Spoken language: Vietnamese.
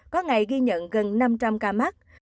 có ngày ghi nhận gần năm trăm linh ca mắc